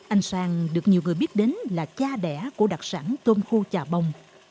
anh sang được nhiều người biết đến là cha đẻ của đặc sản tôm khô chà bông